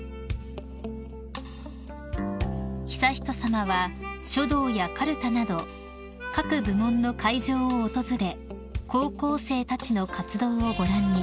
［悠仁さまは書道やかるたなど各部門の会場を訪れ高校生たちの活動をご覧に］